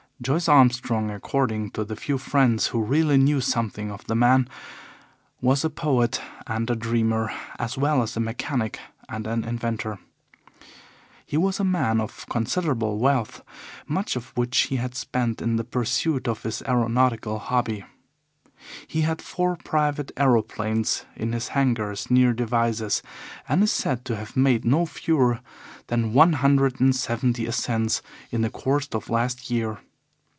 Joyce Armstrong, according to the few friends who really knew something of the man, was a poet and a dreamer, as well as a mechanic and an inventor. He was a man of considerable wealth, much of which he had spent in the pursuit of his aeronautical hobby. He had four private aeroplanes in his hangars near Devizes, and is said to have made no fewer than one hundred and seventy ascents in the course of last year.